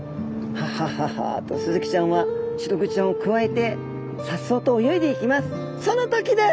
「ハハハハ」とスズキちゃんはシログチちゃんをくわえてさっそうと泳いでいきます。